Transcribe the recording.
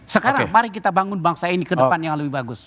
sekarang mari kita bangun bangsa ini ke depan yang lebih bagus